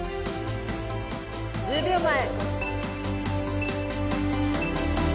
１０秒前。